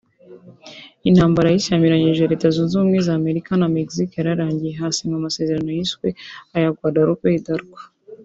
Intambara yari ishyamiranyije Leta Zunze Ubumwe za Amerika na Mexique yararangiye hasinywe amasezerano yiswe aya Guadalupe Hidalgo